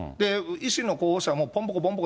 維新の候補者もぽんぽこぽんぽこ